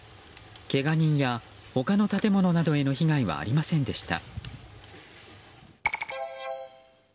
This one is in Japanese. けが人や他の建物などへの被害はありませんでした。